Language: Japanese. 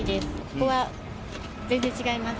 ここは全然違います。